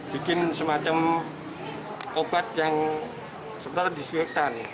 bikin semacam obat yang sementara disinfektan